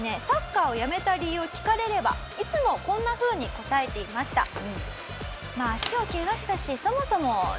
サッカーをやめた理由を聞かれればいつもこんな風に答えていました。